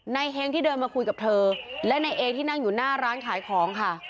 เฮงที่เดินมาคุยกับเธอและนายเอที่นั่งอยู่หน้าร้านขายของค่ะ